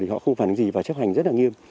thì họ không phản ứng gì và chấp hành rất là nghiêm